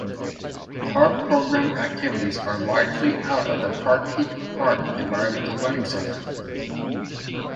Park program activities are largely out of the Carkeek Park Environmental Learning Center.